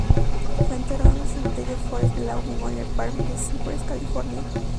Fue enterrado en el Cementerio Forest Lawn Memorial Park de Cypress, California.